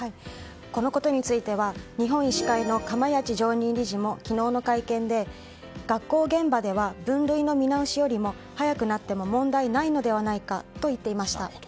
このことについては日本医師会の釜萢常任理事も昨日の会見で学校現場では分類の見直しよりも早くなっても問題ないのではないかと言っていました。